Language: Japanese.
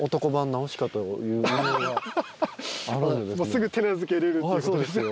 すぐ手なずけれるっていうことですね。